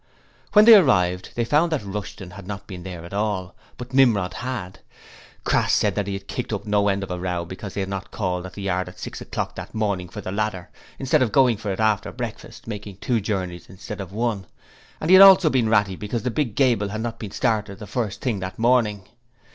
When they arrived they found that Rushton had not been there at all, but Nimrod had. Crass said that he had kicked up no end of a row because they had not called at the yard at six o'clock that morning for the ladder, instead of going for it after breakfast making two journeys instead of one, and he had also been ratty because the big gable had not been started the first thing that morning.